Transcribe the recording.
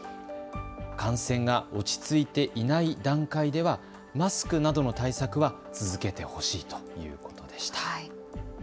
感染が落ち着いていない段階ではマスクなどの対策は続けてほしいということでした。